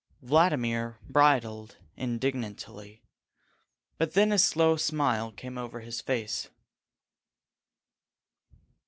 Vladimir bridled indignantly. But then a slow smile came over his face.